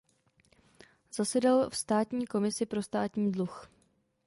Zasedal v státní komisi pro státní dluh.